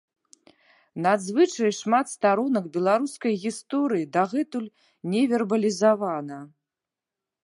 Надзвычай шмат старонак беларускай гісторыі дагэтуль не вербалізавана.